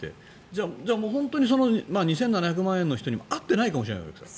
じゃあ本当に２７００万円の人も会ってないかもしれないわけですか。